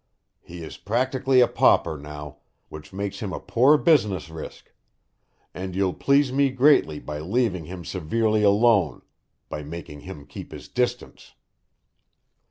He is practically a pauper now, which makes him a poor business risk, and you'll please me greatly by leaving him severely alone by making him keep his distance."